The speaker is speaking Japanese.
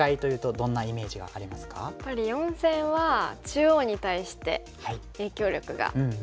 やっぱり四線は中央に対して影響力があって。